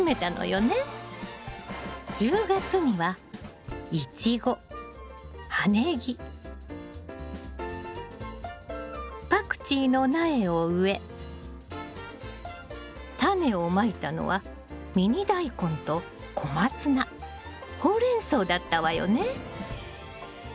１０月にはイチゴ葉ネギパクチーの苗を植えタネをまいたのはミニダイコンとコマツナホウレンソウだったわよね。